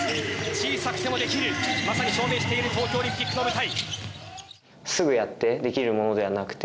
小さくてもできるまさに証明している東京オリンピックの舞台。